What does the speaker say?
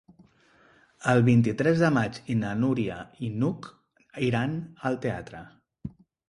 El vint-i-tres de maig na Núria i n'Hug iran al teatre.